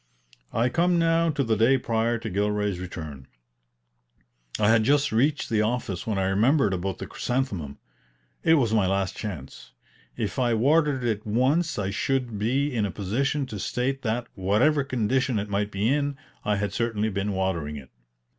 I come now to the day prior to Gilray's return. I had just reached the office when I remembered about the chrysanthemum. It was my last chance. If I watered it once I should be in a position to state that, whatever condition it might be in, I had certainly been watering it.